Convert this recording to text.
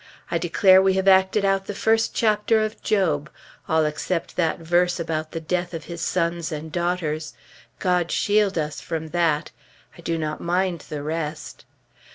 I declare we have acted out the first chapter of Job, all except that verse about the death of his sons and daughters. God shield us from that! I do not mind the rest.